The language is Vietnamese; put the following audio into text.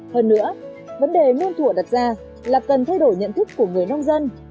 hơn nữa vấn đề nguyên thủ đặt ra là cần thay đổi nhận thức của người nông dân